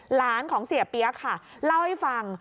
หลานของเสียเปี๊ยกค่ะเล่าให้ฟัง